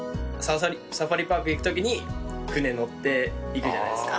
サファリパーク行く時に船乗って行くじゃないですか。